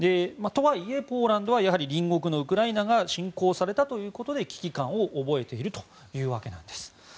とはいえ、ポーランドは隣国のウクライナが侵攻されたということで危機感を覚えているというわけなんです。